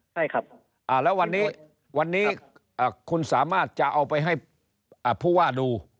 ใช่ครับแล้ววันนี้วันนี้คุณสามารถจะเอาไปให้ผู้ว่าดู